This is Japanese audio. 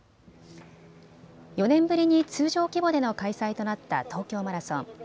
４年ぶりに通常規模での開催となった東京マラソン。